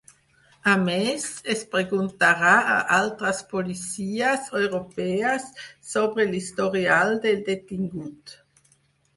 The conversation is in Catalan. A més, es preguntarà a altres policies europees sobre l’historial del detingut.